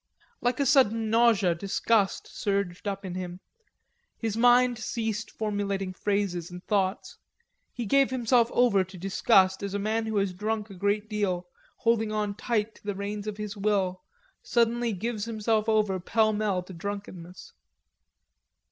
Like a sudden nausea, disgust surged up in him. His mind ceased formulating phrases and thoughts. He gave himself over to disgust as a man who has drunk a great deal, holding on tight to the reins of his will, suddenly gives himself over pellmell to drunkenness.